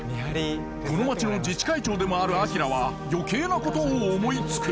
この町の自治会長でもある明は余計なことを思いつく！